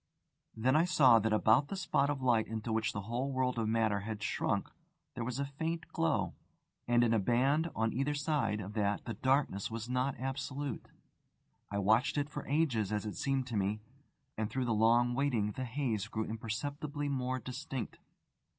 Then I saw that about the spot of light into which the whole world of matter had shrunk there was a faint glow. And in a band on either side of that the darkness was not absolute. I watched it for ages, as it seemed to me, and through the long waiting the haze grew imperceptibly more distinct.